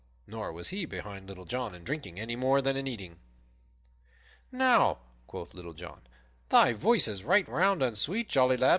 Nor was he behind Little John in drinking any more than in eating. "Now," quoth Little John, "thy voice is right round and sweet, jolly lad.